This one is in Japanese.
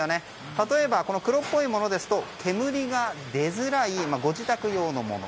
例えば黒っぽいものですと煙が出づらいご自宅用のもの。